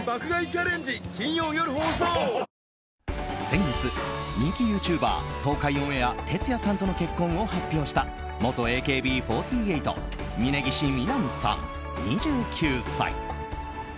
先月、人気ユーチューバー東海オンエアてつやさんとの結婚を発表した元ＡＫＢ４８峯岸みなみさん、２９歳。